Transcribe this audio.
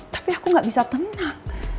tapi aku gak bisa tenang